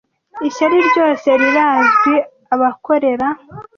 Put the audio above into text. ishyari ryose rirazwi abakorera